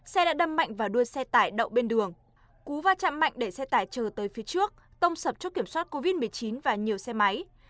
xe đã đâm mạnh vào đuôi xe tải đậu bên đường cú va chạm mạnh để xe tải chờ tới phía trước tông sập chốt kiểm soát covid một mươi chín và nhiều xe máy